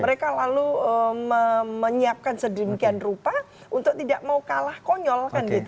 mereka lalu menyiapkan sedemikian rupa untuk tidak mau kalah konyol